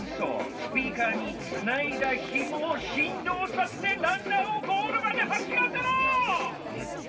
スピーカーにつないだヒモをしんどうさせてランナーをゴールまではしらせろ！